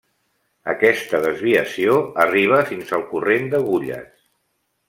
Aquesta desviació arriba fins al Corrent d'Agulles.